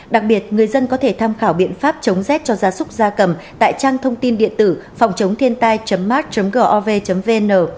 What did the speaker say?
đặc biệt người dân có thể tham khảo biện pháp chống rét cho gia súc gia cầm tại trang thông tin điện tử phòngchốngthientai mark gov vn